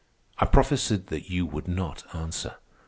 I prophesied that you would not answer.